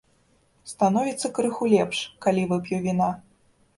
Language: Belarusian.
Становіцца крыху лепш, калі вып'ю віна.